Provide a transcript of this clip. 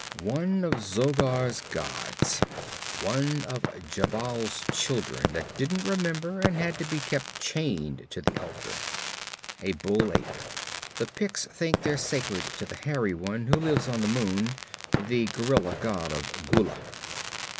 'One of Zogar's gods. One of Jhebbal's children that didn't remember and had to be kept chained to the altar. A bull ape. The Picts think they're sacred to the Hairy One who lives on the moon the gorilla god of Gullah.